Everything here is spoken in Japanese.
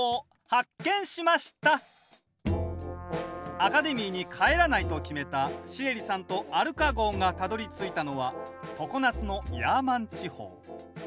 アカデミーに帰らないと決めたシエリさんとアルカ号がたどりついたのは常夏のヤーマン地方。